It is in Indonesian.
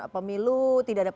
pemilu tidak ada penundaan pemilu